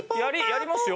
やりますよ。